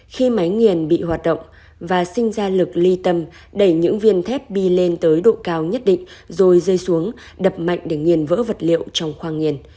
khi máy nghiền bị hoạt động và sinh ra lực ly tâm đẩy những viên thép đi lên tới độ cao nhất định rồi rơi xuống đập mạnh để nghiền vỡ vật liệu trong khoang nghiền